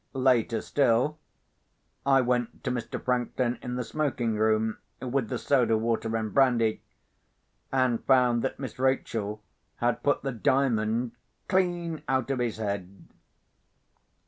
Later still, I went to Mr. Franklin in the smoking room, with the soda water and brandy, and found that Miss Rachel had put the Diamond clean out of his head.